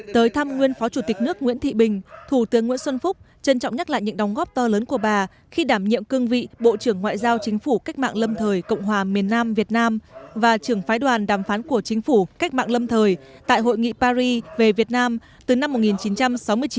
tới thăm nguyên phó chủ tịch nước nguyễn thị bình thủ tướng nguyễn xuân phúc trân trọng nhắc lại những đóng góp to lớn của bà khi đảm nhiệm cương vị bộ trưởng ngoại giao chính phủ cách mạng lâm thời cộng hòa miền nam việt nam và trưởng phái đoàn đàm phán của chính phủ cách mạng lâm thời tại hội nghị paris về việt nam từ năm một nghìn chín trăm sáu mươi chín đến năm một nghìn chín trăm bảy mươi ba